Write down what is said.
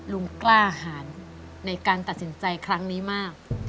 ลุงกล้าหารในการตัดสินใจครั้งนี้มาก